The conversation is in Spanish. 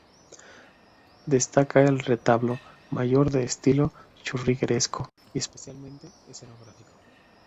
Destaca el retablo mayor de estilo churrigueresco y especialmente escenográfico.